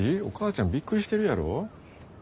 お母ちゃんびっくりしてるやろ。